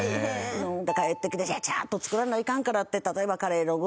帰ってきてちゃちゃっと作らないかんからって例えばカレーの具